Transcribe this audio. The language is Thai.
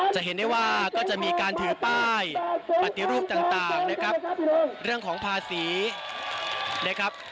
จะเห็นได้ว่าก็จะมีการถือป้ายปฏิรูปต่างนะครับเรื่องของภาษีนะครับ